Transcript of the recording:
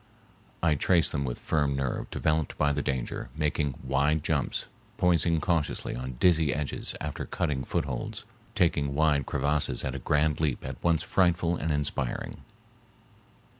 I traced them with firm nerve developed by the danger, making wide jumps, poising cautiously on dizzy edges after cutting footholds, taking wide crevasses at a grand leap at once frightful and inspiring.